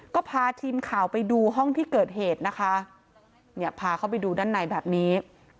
ก็พาทีมข่าวไปดูห้องที่เกิดเหตุนะคะเนี่ยพาเข้าไปดูด้านในแบบนี้